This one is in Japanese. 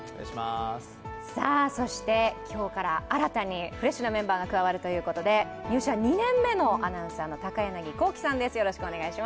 そして今日から新たにフレッシュなメンバーが加わるということで入社２年目のアナウンサーの高柳光希さんです。